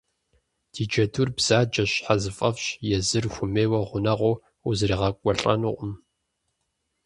Ди джэдур бзаджэщ, щхьэзыфӏэфӏщ, езыр хуэмейуэ гъунэгъуу узригъэкӀуэлӀэнукъым.